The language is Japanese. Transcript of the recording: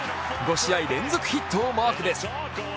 ５試合連続ヒットをマークです。